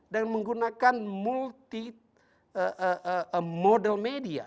dan menggunakan multi model media